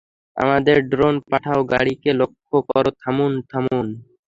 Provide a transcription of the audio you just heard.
আমাদের ড্রোন পাঠাও, গাড়িকে লক্ষ করো, থামুন থামুন!